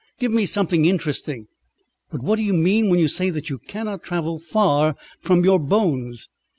Give me something interesting!" "But what do you mean when you say that you cannot travel far from your bones?"